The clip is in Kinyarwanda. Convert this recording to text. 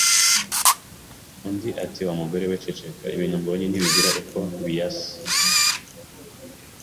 Undi ati wa mugore we ceceka Ibintu mbonye ntibigira uko bias